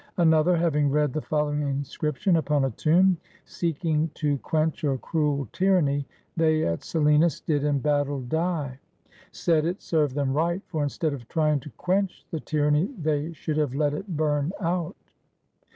Another, having read the following inscrip tion upon a tomb, — "Seeking to quench a cruel tyranny, They, at Selinus, did in battle die," — said, it served them right; for instead of trying to quench the tyranny they should have let it burn out.